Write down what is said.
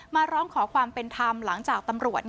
มาร้องขอความเป็นธรรมหลังจากตำรวจ